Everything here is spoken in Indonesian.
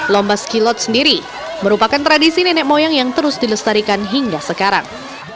lomba skilot sendiri merupakan tradisi nenek moyang yang terus dilestarikan hingga sekarang